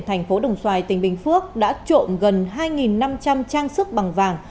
thành phố đồng xoài tỉnh bình phước đã trộm gần hai năm trăm linh trang sức bằng vàng